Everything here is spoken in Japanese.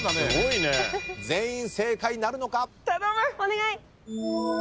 全員正解なるのか？